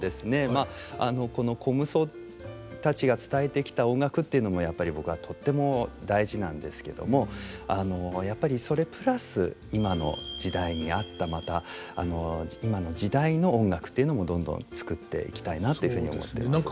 まあこの虚無僧たちが伝えてきた音楽っていうのもやっぱり僕はとっても大事なんですけどもやっぱりそれプラス今の時代に合ったまた今の時代の音楽というのもどんどん作っていきたいなっていうふうに思ってます。